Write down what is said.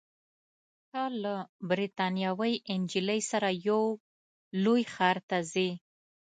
ته له بریتانوۍ نجلۍ سره یو لوی ښار ته ځې.